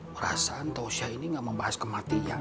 perasaan tosya ini nggak membahas kematian